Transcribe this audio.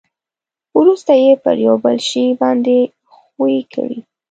ورسته یې پر یو بل شي باندې ښوي کړئ.